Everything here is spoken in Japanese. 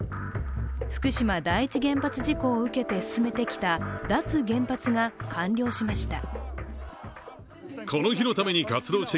福島第一原発事故を受けて進めてきた、脱原発が完了しました。